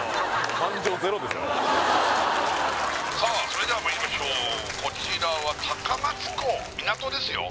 それではまいりましょうこちらは高松港港ですよ